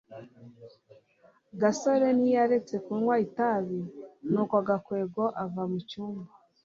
gasore ntiyaretse kunywa itabi, nuko gakwego ava mu cyumba